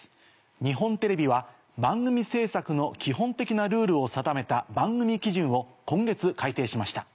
日本テレビは番組制作の基本的なルールを定めた番組基準を今月改訂しました。